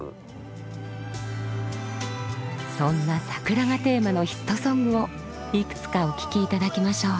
そんな「桜」がテーマのヒットソングをいくつかお聴き頂きましょう。